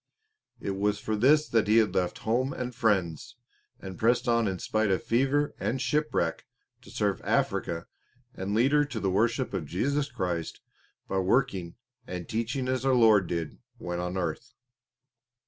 It was for this that he had left home and friends, and pressed on in spite of fever and shipwreck to serve Africa and lead her to the worship of Jesus Christ by working and teaching as our Lord did when on earth.